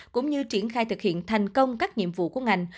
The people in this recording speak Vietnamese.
cũng như triển khai thực hiện thành công các nhiệm vụ của ngành